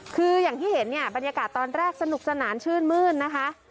คืออย่างที่เห็นเนี่ยบรรยากาศตอนแรกสนุกสนานชื่นมื้นนะคะ